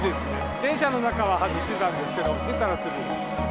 電車の中は外してたんですけれども、出たら、すぐ。